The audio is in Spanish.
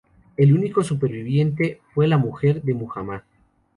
El único superviviente fue la mujer de Muhammad.